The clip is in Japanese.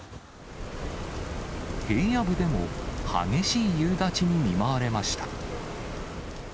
平野部でも激しい夕立に見舞われました。